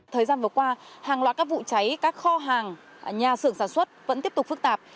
thời gian vừa qua hàng loạt các vụ cháy các kho hàng nhà xưởng sản xuất vẫn tiếp tục phức tạp